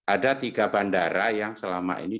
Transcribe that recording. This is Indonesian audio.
ada tiga bandara yang selama ini